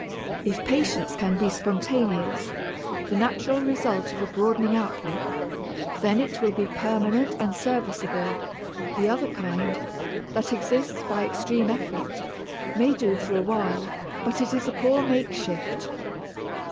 If patience can be spontaneous, the natural result of a broadening outlook, then it will be permanent and serviceable; the other kind, that exists by extreme effort, may do for a while, but it is a poor makeshift.